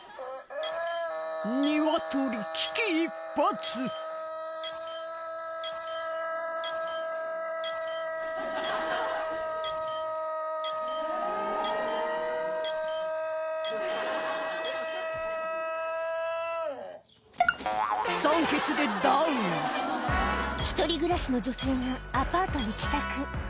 ニワトリ危機一髪酸欠でダウン１人暮らしの女性がアパートに帰宅